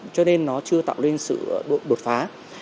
cho nên nó chưa tạo lên sự đột phá